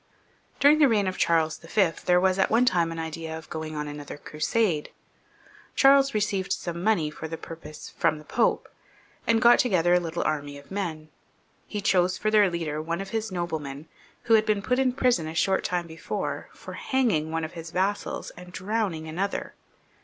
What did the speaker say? During the reign of Charles IV., there was at one time 152 CHARLES IV. {LE BEL), [CH. an idea of going on another Crusada Charles received some money for the ptupose from the Pop^ and got to gether a little army of men ; he chose for their leader one of his noblemen, who had been put in prison a short time before for hanging one of his vassals and drowning another.